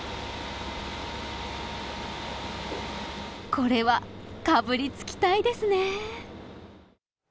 これは、かぶりつきたいですね。